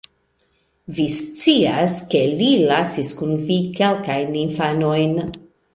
Vi scias ke li lasis kun vi kelkajn infanojn